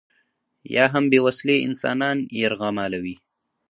یا هم بې وسلې انسانان یرغمالوي.